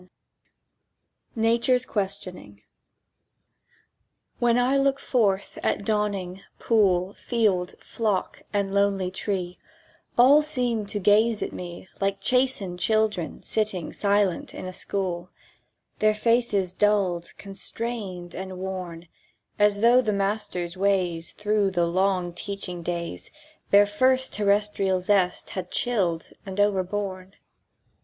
] NATURE'S QUESTIONING WHEN I look forth at dawning, pool, Field, flock, and lonely tree, All seem to gaze at me Like chastened children sitting silent in a school; Their faces dulled, constrained, and worn, As though the master's ways Through the long teaching days Their first terrestrial zest had chilled and overborne.